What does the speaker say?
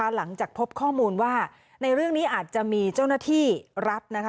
หลังจากพบข้อมูลว่าในเรื่องนี้อาจจะมีเจ้าหน้าที่รัฐนะคะ